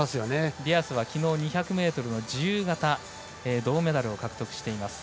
ディアスは昨日２００ｍの自由形銅メダルを獲得しています。